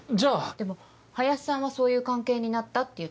でも林さんは「そういう関係になった」って言ったそうです。